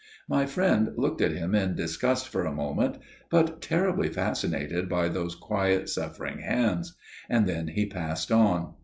My friend looked at him in disgust for a moment: but terribly fascinated by those quiet suffering hands; and then he passed on.